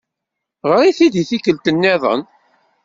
Ɣṛet-it-id i tikkelt nniḍen.